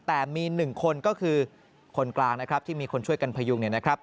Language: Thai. แต่มี๑คนก็คือคนกลางนะครับที่มีคนช่วยกันพยุงเนี่ยนะครับ